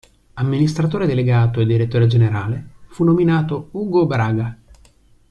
Amministratore delegato e direttore generale fu nominato Ugo Braga.